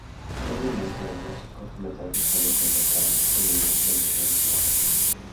Previamente, ambos cortometrajes solo se encontraban disponibles en versiones en blanco y negro.